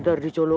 ada tuyul tuh